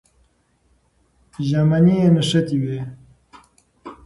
ژامنې یې نښتې وې.